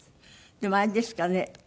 でもあれですかね？